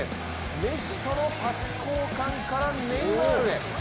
メッシとのパス交換からネイマールへ。